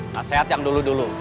nah sehat yang dulu dulu